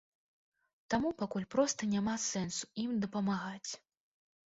Таму пакуль проста няма сэнсу ім дапамагаць.